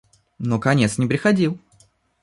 Но конец не приходил.